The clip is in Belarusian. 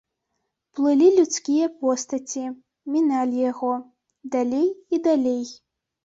Плылі людскія постаці, міналі яго, далей і далей.